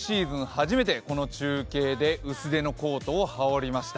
初めてこの中継で薄手のコートをはおりました。